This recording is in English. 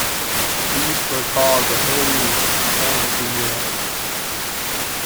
These were called the "Hayes Ten-Wheelers".